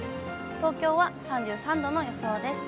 東京は３３度の予想です。